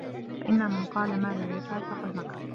فَإِنَّ مَنْ قَالَ مَا لَا يَفْعَلُ فَقَدْ مَكَرَ